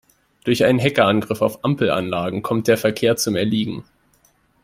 Durch einen Hackerangriff auf Ampelanlagen kommt der Verkehr zum Erliegen.